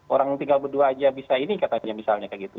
orang tinggal berdua aja bisa ini katanya misalnya kayak gitu